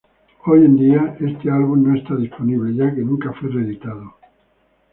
Hoy día, este álbum no está disponible ya que nunca fue reeditado.